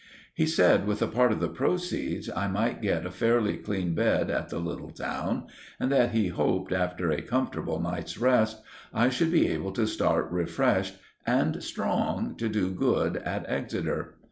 He said with a part of the proceeds I might get a fairly clean bed at the little town, and that he hoped, after a comfortable night's rest, I should be able to start refreshed and strong to do good at Exeter.